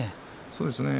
そうですね。